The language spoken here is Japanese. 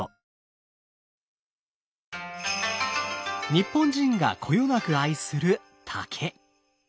日本人がこよなく愛する竹。